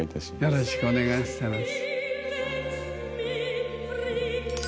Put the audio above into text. よろしくお願いします。